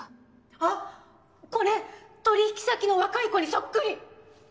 あっこれ取引先の若い子にそっくり！